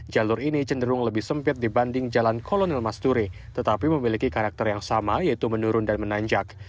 jalur ini cenderung lebih sempit dibanding jalan kolonel masturi tetapi memiliki karakter yang sama yaitu menurun dan menanjak